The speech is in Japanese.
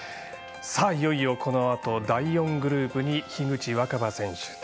いよいよ、このあと第４グループに樋口新葉選手。